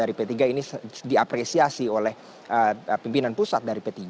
ini diapresiasi oleh pimpinan pusat dari p tiga